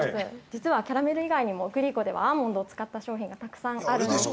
実は、キャラメル以外にもグリコではアーモンドを使った商品がたくさんあるんです。